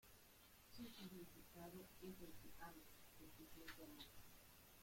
Su significado es 'el que ama', 'el que siente amor'.